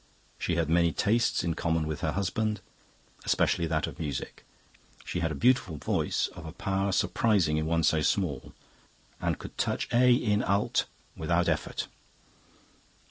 She had many tastes in common with her husband, especially that of music. She had a beautiful voice, of a power surprising in one so small, and could touch A in alt without effort.